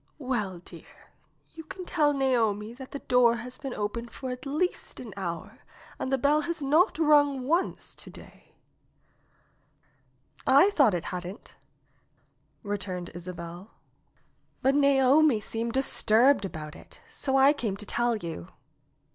"Well, dear, you can tell Naomi that the door has been open for at least an hour and the bell has not rung once to day." NAOMI'S WEDDING BELLS 65 thought it hadn't," returned Isabel. "But Naomi seemed disturbed about it, so I came to tell you."